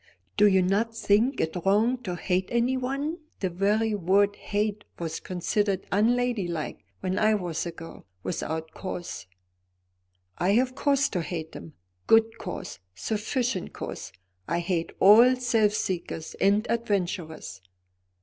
"Do you not think it wrong to hate anyone the very word hate was considered unladylike when I was a girl without cause?" "I have cause to hate him, good cause, sufficient cause. I hate all self seekers and adventurers."